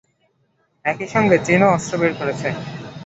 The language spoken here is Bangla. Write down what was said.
একই সঙ্গে চীনও অস্ত্র বের করেছে।